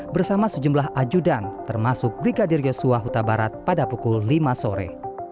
bersama sejumlah ajudan termasuk brigadir yosua huta barat pada pukul lima sore